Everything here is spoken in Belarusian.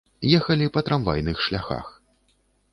Ехалі па трамвайных шляхах.